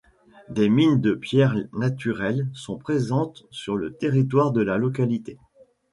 Des mines de pierre naturelle sont présentes sur le territoire de la localité.